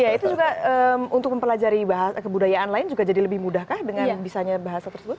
iya itu juga untuk mempelajari bahasa kebudayaan lain juga jadi lebih mudahkah dengan bisanya bahasa tersebut